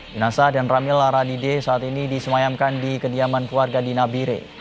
jenasa dan ramil laradide saat ini disemayamkan di kediaman keluarga di nabire